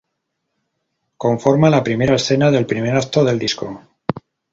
Conforma la primera escena del primer acto del disco.